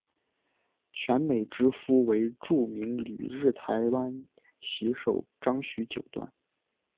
泉美之夫为著名旅日台湾棋手张栩九段。